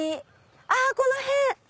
あっこの辺！